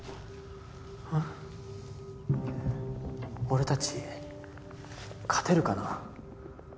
俺たち勝てるかな？